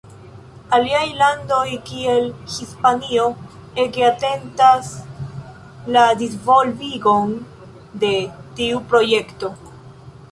Aliaj landoj kiel Hispanio ege atentas la disvolvigon de tiu projekto.